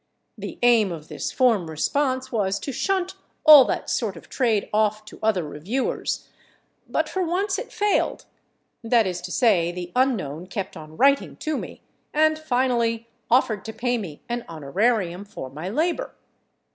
The aim of this form response was to shunt all that sort of trade off to other reviewers, but for once it failed. That is to say, the unknown kept on writing to me, and finally offered to pay me an honorarium for my labor.